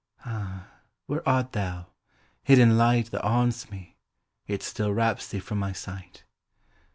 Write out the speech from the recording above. Ah! where art thou, hid in light That haunts me, yet still wraps thee from my sight?